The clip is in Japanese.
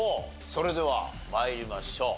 それでは参りましょう。